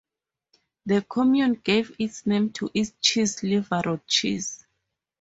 The commune gave its name to its cheese; Livarot cheese.